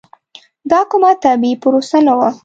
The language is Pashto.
دا کومه طبیعي پروسه نه وه.